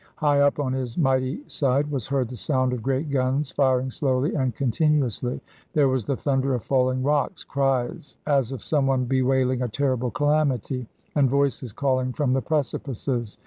High up on his mighty side was heard the sound of great guns firing slowly and continuously; there was the thunder of falling rocks, cries as of someone bewailing a terrible calamity, and voices calling from the precipices.